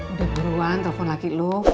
udah haruan telfon laki lu